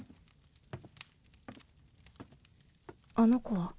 あの子は？